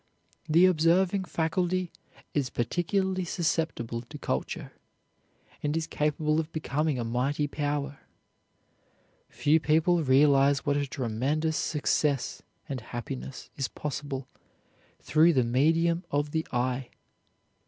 The observing faculty is particularly susceptible to culture, and is capable of becoming a mighty power. Few people realize what a tremendous success and happiness is possible through the medium of the eye.